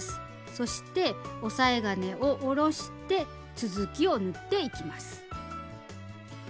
そして押さえ金を下ろして続きを縫っていきます。